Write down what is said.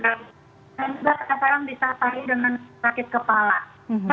dan juga tersebut yang disertai dengan sakit kepala